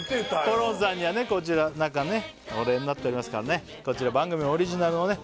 コロンさんにはねこちら中ね保冷になっておりますからねこちら番組オリジナルのね